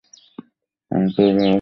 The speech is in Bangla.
আমি তার ভালো খেয়াল রাখবো, আঙ্কেল!